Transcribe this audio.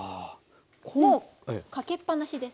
もうかけっぱなしです。